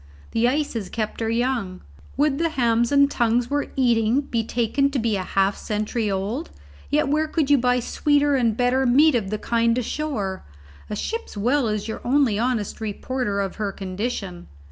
The ice has kept her young. Would the hams and tongues we're eating be taken to be half a century old? yet where could you buy sweeter and better meat of the kind ashore? A ship's well is your only honest reporter of her condition.